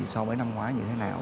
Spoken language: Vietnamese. so với năm ngoái như thế nào